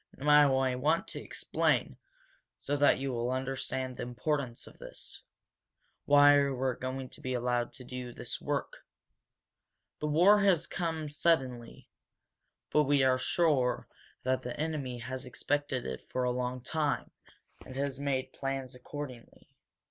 "Now I want to explain, so that you will understand the importance of this, why you are going to be allowed to do this work. This war has come suddenly but we are sure that the enemy has expected it for a long time, and has made plans accordingly.